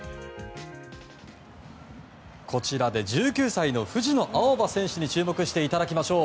こちら１９歳の藤野あおば選手に注目していただきましょう。